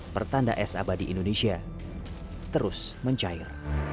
pertanda es abadi indonesia terus mencair